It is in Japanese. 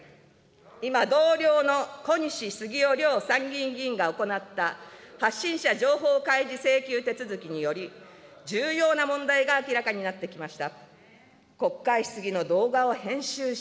今、同僚の小西洋之参議院議員が行った発信者情報開示請求手続きにより、重要な問題が明らかになってきました。